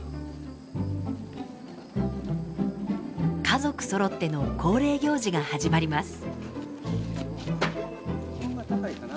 家族そろっての恒例行事が始まります。